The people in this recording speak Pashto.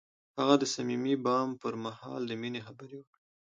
هغه د صمیمي بام پر مهال د مینې خبرې وکړې.